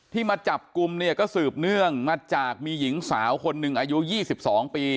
มาจับกลุ่มเนี่ยก็สืบเนื่องมาจากมีหญิงสาวคนหนึ่งอายุ๒๒ปี